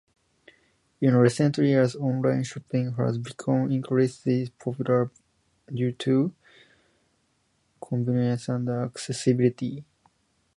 In recent years, online shopping has become increasingly popular due to convenience and accessibility.